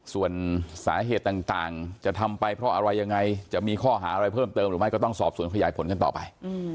ส่วนสาเหตุต่างจะทำไปเพราะอะไรยังไงจะมีข้อหาอะไรเพิ่มเติมหรือไม่ก็ต้องสอบสวนขยายผลกันต่อไป